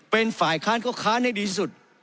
เป็นฝ่ายค้านก็ค้านให้ดีสุด